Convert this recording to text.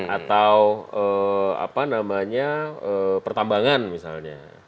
atau apa namanya pertambangan misalnya